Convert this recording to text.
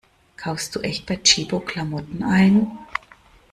Kaufst du echt bei Tchibo Klamotten ein?